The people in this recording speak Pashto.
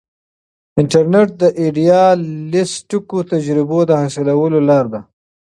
انټرنیټ د ایډیالیسټیکو تجربو د حاصلولو لار ده.